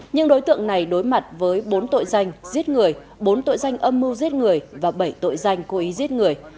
nhưng đối tượng này đối mặt với bốn tội danh giết người bốn tội danh âm mưu giết người và bảy tội danh cố ý giết người